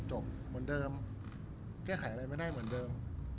จบเหมือนเดิมแก้ไขอะไรไม่ได้เหมือนเดิม